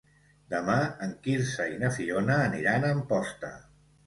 Demà en Quirze i na Fiona aniran a Amposta.